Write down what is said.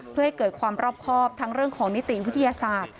เพื่อให้เกิดความรอบครอบทั้งเรื่องของนิติวิทยาศาสตร์